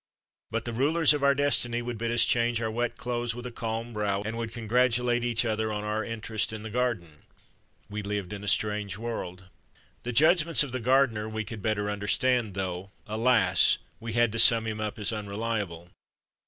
But the rulers of our destiny 122 THE DAY BEFORE YESTERDAY would bid us change our wet clothes with a calm brow, and would congratulate each other on our interest in the garden. We lived in a strange world. The judgments of the gardener we could better understand, though, alas ! we had to sum him up as unreliable.